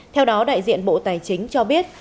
theo đó đại diện bộ tài chính cho biết